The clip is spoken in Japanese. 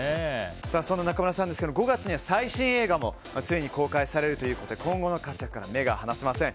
その中村さんですけれども５月には最新映画も公開されるということで今後の活躍から目が離せません。